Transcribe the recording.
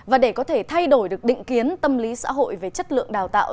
và để có thể thay đổi được định kiến tâm lý xã hội về chất lượng đào tạo